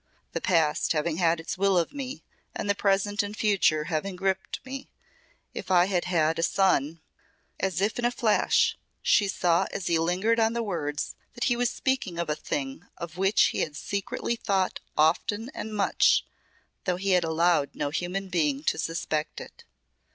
The past having had its will of me and the present and future having gripped me if I had had a son " As if in a flash she saw as he lingered on the words that he was speaking of a thing of which he had secretly thought often and much, though he had allowed no human being to suspect it.